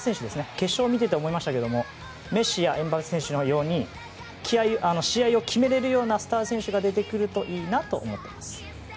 決勝を見ていて思いましたがメッシやエムバペ選手のように試合を決められるようなスター選手が出てくるといいなと思っています。